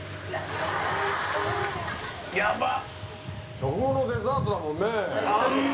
食後のデザートだもんね。